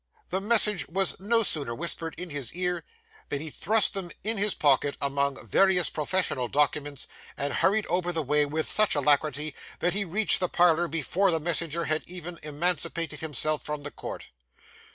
The message was no sooner whispered in his ear than he thrust them in his pocket among various professional documents, and hurried over the way with such alacrity that he reached the parlour before the messenger had even emancipated himself from the court.